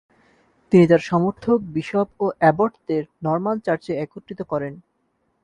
তিনি তার সমর্থক, বিশপ ও অ্যাবটদের নরমান চার্চে একত্রিত করেন।